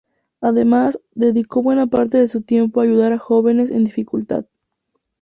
Además, dedicó buena parte de su tiempo a ayudar a jóvenes en dificultad.